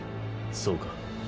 そうか。